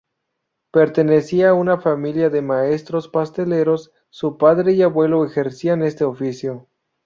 Pertenecía a una familia de maestros pasteleros, su padre y abuelo ejercían este oficio.